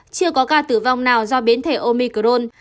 chưa có ca tử vong nào do biến thể omicron